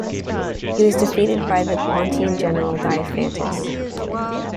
He was defeated by the Pontian general Diophantus.